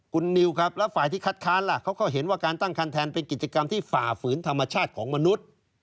คุณนิวแล้วกับฝ่ายที่ค็าทค้านเห็นว่าการตั้งคันแทนเป็นกิจกรรมที่ฝ่าฝืนธรรมชาติของมนุษย์